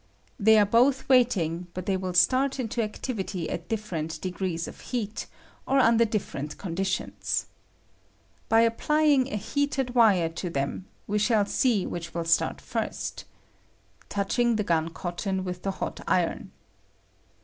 They are both waiting, but they will start into activity at different de grees of heat, or under different eonditiona. By applying a heated wire to them, we shall Bee which will start first [touching the gun cotton with the hot iron].